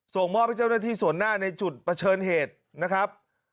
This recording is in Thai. ส่งมอบให้เจ้าหน้าที่ส่วนหน้าในจุดเผชิญเหตุนะครับ